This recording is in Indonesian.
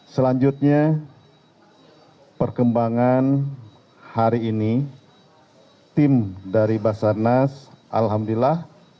selanjutnya perkembangan hari ini tim dari basarnas alhamdulillah